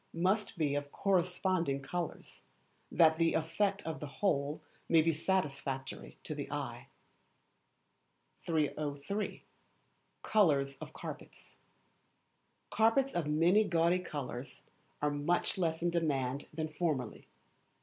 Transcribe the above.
must be of corresponding colours, that the effect of the whole may be satisfactory to the eye. 303. Colours of Carpets. Carpets of many gaudy colours are much less in demand than formerly.